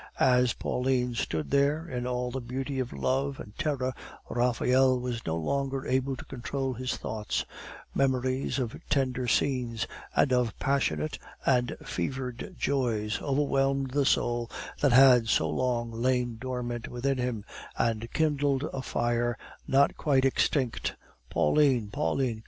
As Pauline stood there, in all the beauty of love and terror, Raphael was no longer able to control his thoughts; memories of tender scenes, and of passionate and fevered joys, overwhelmed the soul that had so long lain dormant within him, and kindled a fire not quite extinct. "Pauline! Pauline!